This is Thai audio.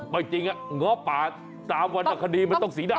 ไม่จริงเงาะป่าตามวันคดีมันต้องสีดำ